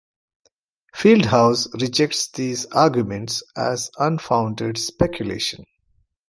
Fieldhouse rejects these arguments as unfounded speculation.